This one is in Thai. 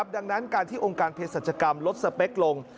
ดังนั้นการที่องค์การเพศรัชกรรมลดสเปคลง